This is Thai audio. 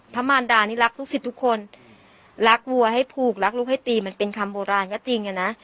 มารดานี่รักลูกศิษย์ทุกคนรักวัวให้ผูกรักลูกให้ตีมันเป็นคำโบราณก็จริงอะนะ